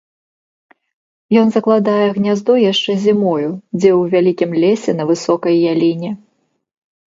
Ён закладае гняздо яшчэ зімою дзе ў вялікім лесе на высокай яліне.